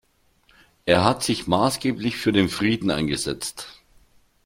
Er hat sich maßgeblich für den Frieden eingesetzt.